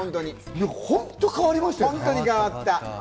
本当、変わりましたよね。